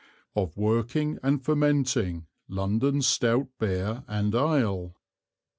Of working and fermenting London Stout Beer and Ale.